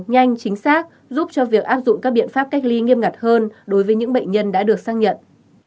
nhanh chính xác giúp cho việc áp dụng các biện pháp cách ly nghiêm ngặt hơn đối với những bệnh nhân đã được xác nhận